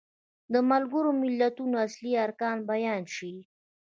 د ملګرو ملتونو اصلي ارکان بیان شي.